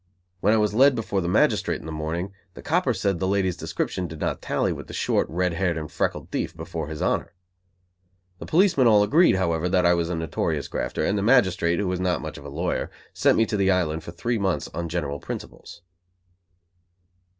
When I was led before the magistrate in the morning, the copper said the lady's description did not tally with the short, red haired and freckled thief before his Honor. The policemen all agreed, however, that I was a notorious grafter, and the magistrate, who was not much of a lawyer, sent me to the Island for three months on general principles.